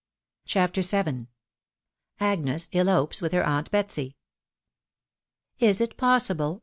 t CHAPTER VII. AGXKS KLOfES WITH HER AUNT BKT87 ' Is it possible